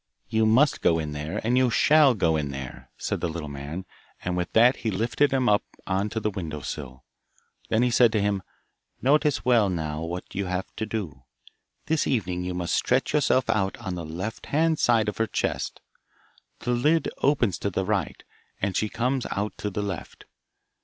'You must go in there, and you shall go in there,' said the little man, and with that he lifted him up on to the window sill. Then he said to him: 'Notice well now what you have to do. This evening you must stretch yourself out on the left hand side of her chest. The lid opens to the right, and she comes out to the left.